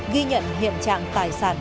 ghi nhận hiện trạng tài sản